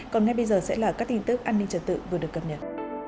còn ngay bây giờ sẽ là các tin tức an ninh trật tự vừa được cập nhật